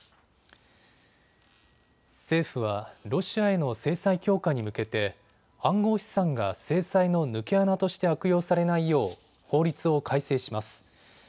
政府はロシアへの制裁強化に向けて暗号資産が制裁の抜け穴として悪用されないよう法律を改正します。